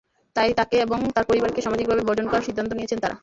তাই তাঁকে এবং তাঁর পরিবারকে সামাজিকভাবে বর্জন করার সিদ্ধান্ত নিয়েছেন তাঁরা।